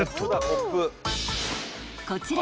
［こちら］